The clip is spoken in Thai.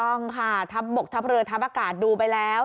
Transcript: ต้องค่ะทัพบกทัพเรือทัพอากาศดูไปแล้ว